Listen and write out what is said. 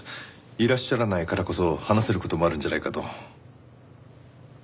いらっしゃらないからこそ話せる事もあるんじゃないかと。